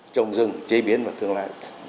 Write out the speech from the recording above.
trồng rừng chế biến và thương lại